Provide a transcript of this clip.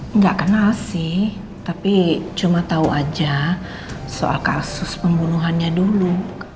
enggak kenal sih tapi cuma tahu aja soal kasus pembunuhannya dulu